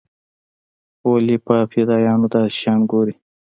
ولې په فدايانو داسې شيان ګوري.